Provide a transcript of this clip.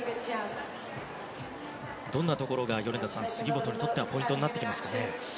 どんなところが、米田さん杉本にとってポイントになりますか。